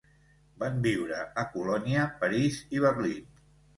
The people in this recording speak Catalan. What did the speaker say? Van viure a Colònia, París i Berlín.